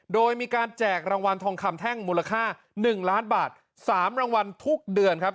โดยมีการแจกรางวัลทองคำแท่งมูลค่า๑ล้านบาท๓รางวัลทุกเดือนครับ